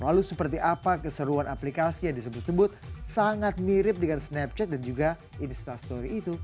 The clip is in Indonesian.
lalu seperti apa keseruan aplikasi yang disebut sebut sangat mirip dengan snapchat dan juga instastory itu